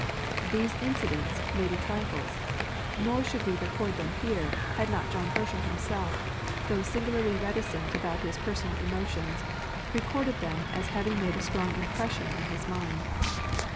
These incidents may be trifles; nor should we record them here had not John Herschel himself, though singularly reticent about his personal emotions, recorded them as having made a strong impression on his mind.